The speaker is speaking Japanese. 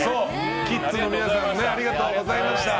キッズの皆さんもありがとうございました。